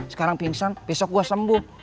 sekarang pingsan besok gue sembuh